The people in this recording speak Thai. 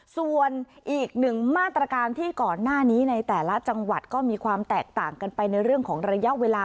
ส่วนอีกหนึ่งมาตรการที่ก่อนหน้านี้ในแต่ละจังหวัดก็มีความแตกต่างกันไปในเรื่องของระยะเวลา